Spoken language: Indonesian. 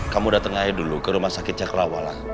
kamu dateng aja dulu ke rumah sakit cakrawala